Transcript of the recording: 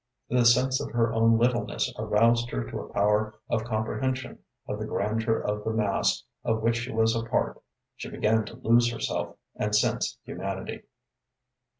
The sense of her own littleness aroused her to a power of comprehension of the grandeur of the mass of which she was a part. She began to lose herself and sense humanity.